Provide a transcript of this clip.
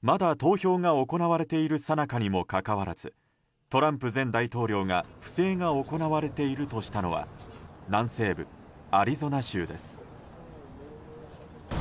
まだ投票が行われているさなかにもかかわらずトランプ前大統領が不正が行われているとしたのは南西部アリゾナ州です。